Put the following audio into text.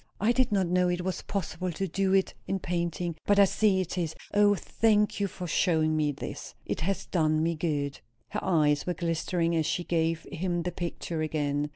I did not know it was possible to do it in painting but I see it is. O, thank you for showing me this! it has done me good." Her eyes were glistening as she gave him the picture again.